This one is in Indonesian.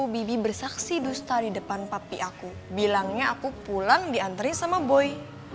bibi bersaksi dusta di depan papi aku bilangnya aku pulang diantri sama boy